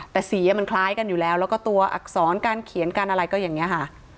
แต่สีมันคล้ายกันอยู่แล้วแล้วก็ตัวอักษรการเขียนการอะไรก็อย่างนี้ค่ะ